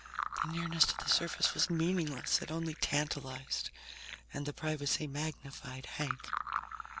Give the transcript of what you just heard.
The nearness to the surface was meaningless; it only tantalized. And the privacy magnified Hank.